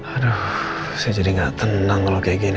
aduh saya jadi nggak tenang kalau kayak gini